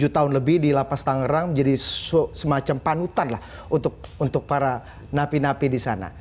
tujuh tahun lebih di lapas tangerang menjadi semacam panutan lah untuk para napi napi di sana